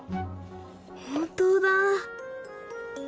本当だ。